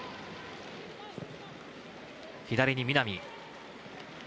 左に南。